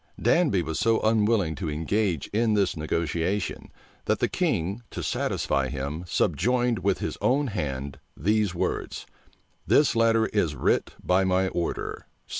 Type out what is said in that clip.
Danby was so unwilling to engage in this negotiation, that the king, to satisfy him, subjoined with his own hand these words: "This letter is writ by my order.